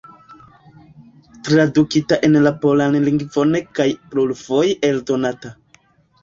Tradukita en la polan lingvon kaj plurfoje eldonata.